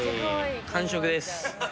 完食です。